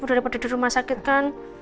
daripada di rumah sakit kan